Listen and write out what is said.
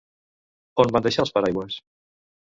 On van deixar els paraigües?